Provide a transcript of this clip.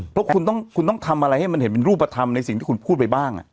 เพราะคุณต้องทำอะไรให้มันเห็นเป็นรูปธรรมในสิ่งที่คุณพูดไปบ้าง